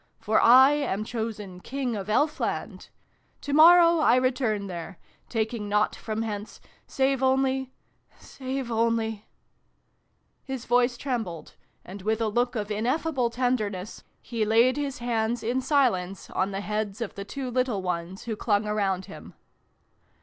For I am chosen King of Elfland. To morrow I return there, taking nought from hence, save only save only " his voice trembled, and with a look of ineffable tenderness, he laid 384 SYLVIE AND BRUNO CONCLUDED, his hands in silence on the heads of the two little ones who clung around him.